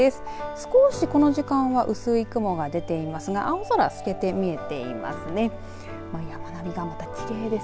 少しこの時間は薄い雲が出ていますが青空透けて見えています。